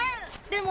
でも。